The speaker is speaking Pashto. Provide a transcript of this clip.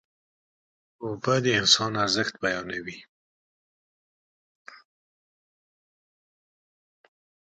اوبه د انسان ارزښت بیانوي.